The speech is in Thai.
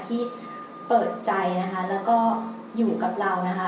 ที่เปิดใจและที่อยู่กับเรา